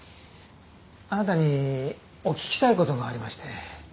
あなたにお聞きしたい事がありまして。